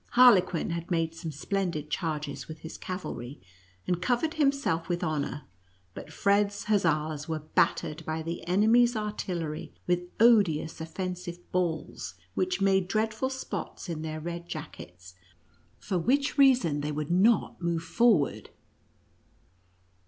Harlequin had made some splendid charges with his cavalry, and covered himself with honor, but Fred's hussars were battered by the enemy's ar tillery, with odious, offensive balls, which made dreadful spots in their red jackets, for which reason they would not move forward.